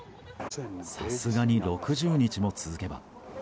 さすがに６０日も続けば。